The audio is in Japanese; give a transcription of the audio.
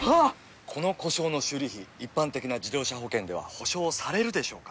この故障の修理費一般的な自動車保険では補償されるでしょうか？